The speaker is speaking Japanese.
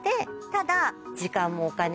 ただ。